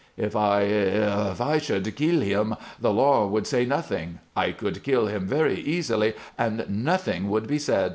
"If I if I should kill him, the law would say nothing. I could kill him very easily and nothing would be said.